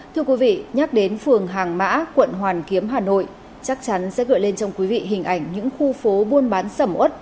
thưa quý vị nhắc đến phường hàng mã quận hoàn kiếm hà nội chắc chắn sẽ gửi lên trong quý vị hình ảnh những khu phố buôn bán sầm út